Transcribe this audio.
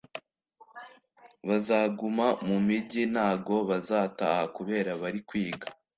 bazaguma mu migi ntago bazataha kubera bari kwiga